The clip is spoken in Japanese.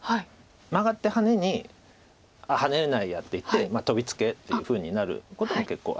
マガってハネにハネないやって言ってトビツケっていうふうになることも結構。